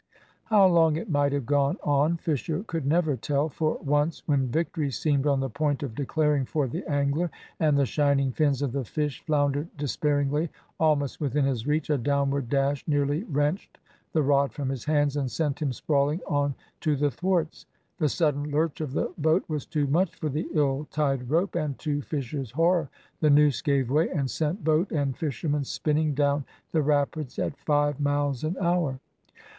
How long it might have gone on Fisher could never tell; for once, when victory seemed on the point of declaring for the angler, and the shining fins of the fish floundered despairingly almost within his reach, a downward dash nearly wrenched the rod from his hands and sent him sprawling on to the thwarts. The sudden lurch of the boat was too much for the ill tied rope, and to Fisher's horror the noose gave way and sent boat and fisherman spinning down the rapids at five miles an hour.